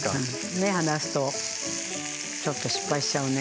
目離すとちょっと失敗しちゃうね。